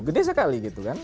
gede sekali gitu kan